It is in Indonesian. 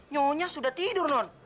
nyonya sudah tidur non